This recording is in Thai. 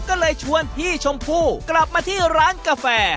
ก็เลยชวนพี่ชมพู่กลับมาที่ร้านกาแฟ